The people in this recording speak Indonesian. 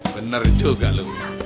bener juga lo